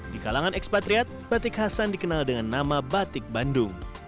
di kalangan ekspatriat batik hasan dikenal dengan nama batik bandung